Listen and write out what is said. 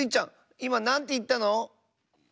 いまなんていったの？